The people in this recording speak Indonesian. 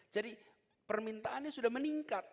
jadi permintaannya sudah meningkat